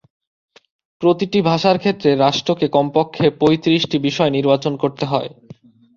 প্রতিটি ভাষার ক্ষেত্রে রাষ্ট্রকে কমপক্ষে পঁয়ত্রিশটি বিষয় নির্বাচন করতে হবে।